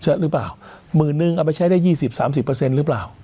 ใช่หรือเปล่าหมื่นหนึ่งเอาไปใช้ได้ยี่สิบสามสิบเปอร์เซ็นต์หรือเปล่า